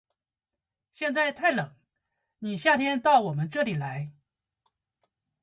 现在太冷，你夏天到我们这里来。